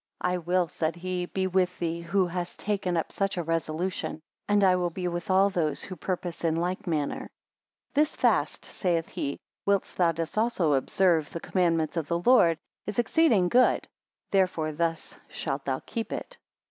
I will, said he, be with thee who hast taken up such a resolution; and I will be with all those who purpose in like manner. 28 This fast, saith he, whilst thou dost also observe the commandments of the Lord, is exceeding good; therefore thus shalt thou keep it.